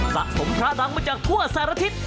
สะสมพระดังมาจากทั่วสารทิศ